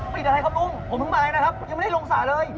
ปิดอะไรครับลุงผมเพิ่งมาเลยนะครับยังไม่ได้ลงสระเลย